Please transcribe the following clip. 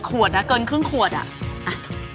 ก็ใส่เยอะหน่อย